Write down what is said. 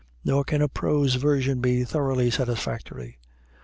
Nor can a prose version be thoroughly satisfactory.